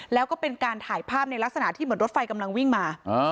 แล้วก็เป็นการถ่ายภาพในลักษณะที่เหมือนรถไฟกำลังวิ่งมา